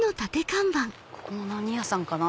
ここは何屋さんかな？